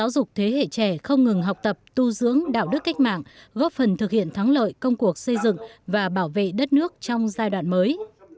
từng học tập tu dưỡng đạo đức cách mạng góp phần thực hiện thắng lợi công cuộc xây dựng và bảo vệ đất nước trong giai đoạn mới